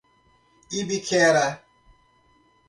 Ibiquera